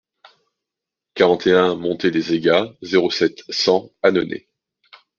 quarante et un montée des Aygas, zéro sept, cent, Annonay